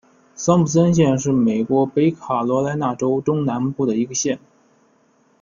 桑普森县是美国北卡罗莱纳州中南部的一个县。